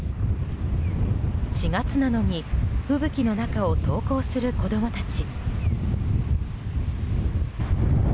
４月なのに吹雪の中を登校する子供たち。